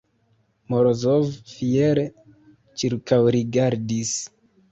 Morozov fiere ĉirkaŭrigardis.